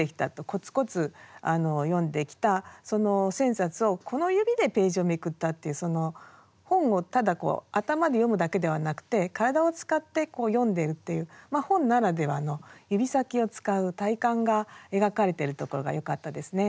コツコツ読んできたその千冊をこの指でページをめくったっていう本をただこう頭で読むだけではなくて体を使って読んでるっていう本ならではの指先を使う体感が描かれてるところがよかったですね。